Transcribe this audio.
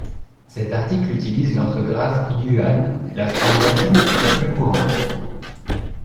Cet article utilise l'orthographe Yuan, la forme latine la plus courante.